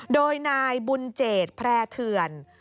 โดยนายบุญเจษฐ์แพร่เทือน